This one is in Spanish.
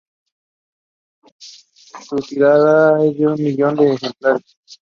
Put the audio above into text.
Su tirada es de un millón de ejemplares.